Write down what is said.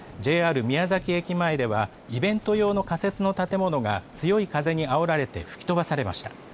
ＪＲ宮崎駅前では、イベント用の仮設の建物が強い風にあおられて吹き飛ばされました。